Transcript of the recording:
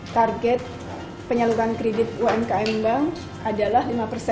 target penyaluran kredit umkm bank adalah lima persen